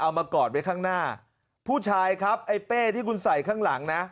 เอามากอดไว้ข้างหน้าผู้ชายครับไอ้เป้ที่คุณใส่ข้างหลังนะ